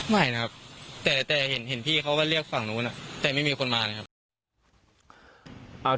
ไม่นะครับแต่เห็นพี่เขาก็เรียกฝั่งนู้นแต่ไม่มีคนมานะครับ